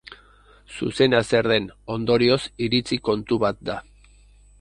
Zuzena zer den, ondorioz, iritzi kontu bat da.